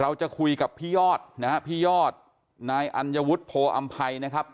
เราจะคุยกับพี่ยอดนะฮะพี่ยอดนายอัญวุฒิโพออำภัยนะครับ